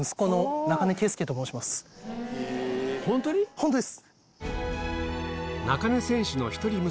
本当です。